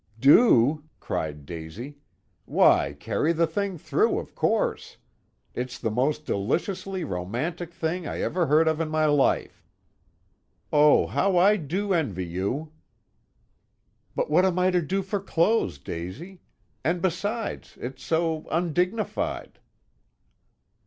"Do?" cried Daisy. "Why carry the thing through, of course. It's the most deliciously romantic thing I ever heard of in my life. Oh, how I do envy you!" "But what am I to do for clothes, Daisy? And besides, it's so undignified!"